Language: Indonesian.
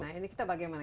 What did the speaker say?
nah ini kita bagaimana